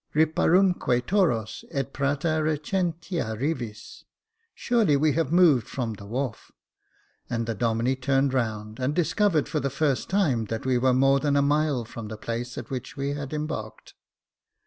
^ Riparumque toros et prata recentta rivis.' Surely we have moved from the wharf" — and the Domine turned round, and discovered, for the first time, that we were more than a mile from the place at which we had embarked.